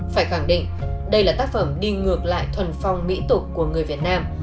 phải khẳng định đây là tác phẩm đi ngược lại thuần phong mỹ tục của người việt nam